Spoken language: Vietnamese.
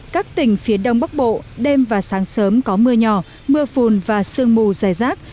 các tỉnh phía đông bắc bộ đêm và sáng sớm có mưa nhỏ mưa phùn và sương mù dài rác